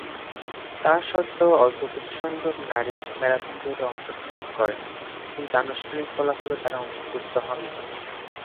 তাস্বত্ত্বেও অল্প কিছুসংখ্যক নারী ম্যারাথন দৌড়ে অংশগ্রহণ করেন কিন্তু আনুষ্ঠানিক ফলাফলে তারা অন্তর্ভুক্ত হননি।